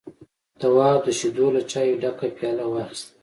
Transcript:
تواب د شيدو له چايو ډکه پياله واخيسته.